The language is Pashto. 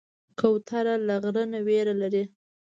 کوتره له غره نه ویره لري.